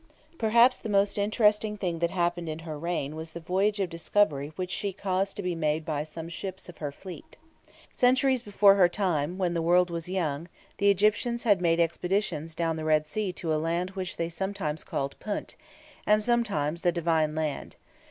Perhaps the most interesting thing that happened in her reign was the voyage of discovery which she caused to be made by some ships of her fleet. Centuries before her time, when the world was young, the Egyptians had made expeditions down the Red Sea to a land which they sometimes called Punt, and sometimes "The Divine Land."